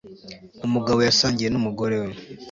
Umugabo yasangiye numugore we